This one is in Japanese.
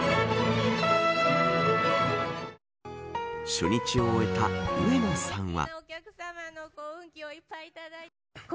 初日を終えた上野さんは。